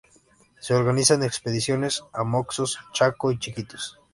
Se organizan expediciones a Moxos, Chaco y Chiquitos.